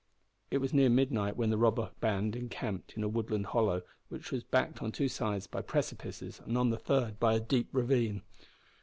It was near midnight when the robber band encamped in a wooded hollow which was backed on two sides by precipices and on the third by a deep ravine.